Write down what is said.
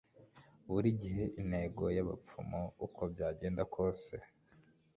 Burigihe intego yabapfumu uko byagenda kose